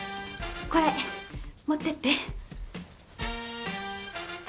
これ持ってって。